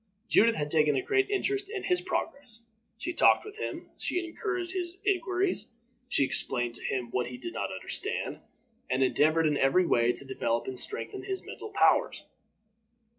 Judith had taken a great interest in his progress. She talked with him, she encouraged his inquiries, she explained to him what he did not understand, and endeavored in every way to develop and strengthen his mental powers.